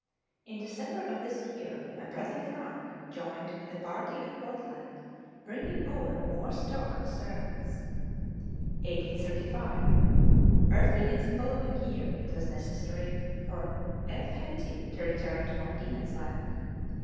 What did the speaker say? In December of this year my brother Frank joined the party at Portland, bringing over more stock and servants. 1835. Early in the following year it was necessary for F. Henty to return to Van Diemen's Land.